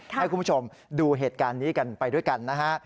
ให้คุณผู้ชมดูเหตุการณ์นี้กันไปด้วยกันนะฮะ